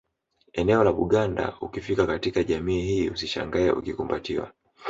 Eneo la Buganda ukifika katika jamii hii usishangae ukikumbatiwa